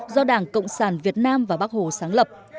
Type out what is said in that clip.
do đảng cộng sản việt nam và bắc hồ sáng lập